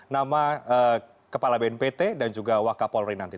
nama kepala bin pt dan juga wakapolri nanti